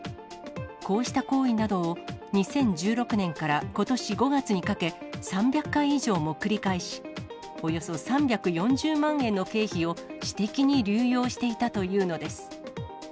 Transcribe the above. こうした行為などを、２０１６年からことし５月にかけ、３００回以上も繰り返し、およそ３４０万円の経費を私的に流用していたというのです。